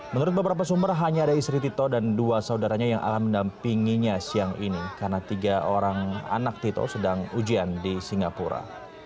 menurut beberapa sumber hanya ada istri tito dan dua saudaranya yang akan mendampinginya siang ini karena tiga orang anak tito sedang ujian di singapura